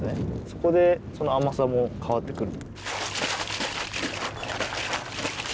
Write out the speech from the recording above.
そこでその甘さも変わってくる。